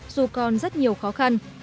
dù còn rất nhiều khó khăn